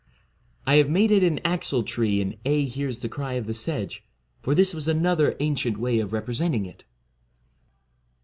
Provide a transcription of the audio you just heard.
I have made it an axle tree in * Aedh hears the Cry of the Sedge,' for this was another ancient way of represent ing it.